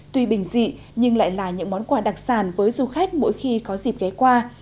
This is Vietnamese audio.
tuy bình dị nhưng lại là những món quà đặc sản với du khách mỗi khi có dịp ghé qua